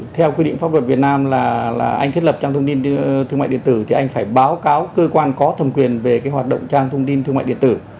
theo quy định pháp luật việt nam là anh thiết lập trang thông tin thương mại điện tử thì anh phải báo cáo cơ quan có thẩm quyền về cái hoạt động trang thông tin thương mại điện tử